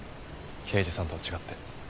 刑事さんとは違って。